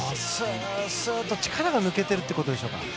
それは力が抜けているということでしょうか。